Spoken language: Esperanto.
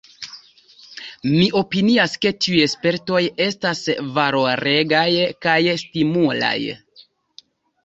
Mi opinias ke tiuj spertoj estas valoregaj kaj stimulaj.